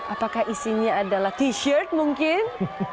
apakah isinya adalah t shirt mungkin